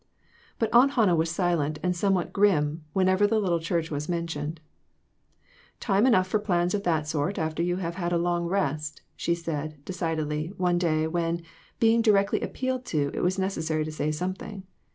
But Aunt Hannah was silent and somewhat grim whenever the little church was mentioned. ' "Time enough for plans of that sort after you have had a long rest," she said, decidedly, one day when, being directly appealed to, it was neces sary to say something.